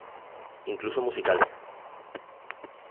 Incluso musicales"".